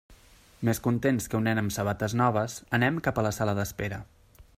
Més contents que un nen amb sabates noves, anem cap a la sala d'espera.